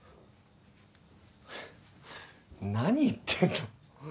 何言ってんの？